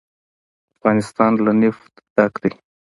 افغانستان له نفت ډک دی.